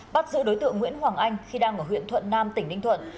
bắt giữ đối tượng nguyễn hoàng anh khi đang ở huyện thuận nam tỉnh ninh thuận